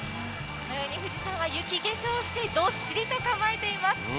このように富士山は雪化粧して、どっしりと構えています。